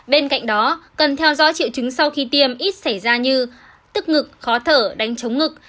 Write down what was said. bên cạnh đó cần theo dõi triệu chứng sau khi tiêm ít xảy ra như tức ngực khó thở đánh chống ngực